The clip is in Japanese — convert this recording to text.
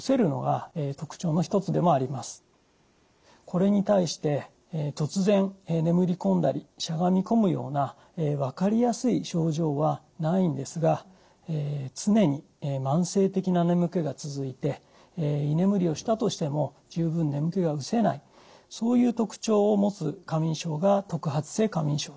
これに対して突然眠り込んだりしゃがみ込むような分かりやすい症状はないんですが常に慢性的な眠気が続いて居眠りをしたとしても十分眠気が失せないそういう特徴を持つ過眠症が特発性過眠症です。